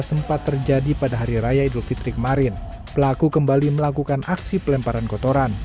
sempat terjadi pada hari raya idul fitri kemarin pelaku kembali melakukan aksi pelemparan kotoran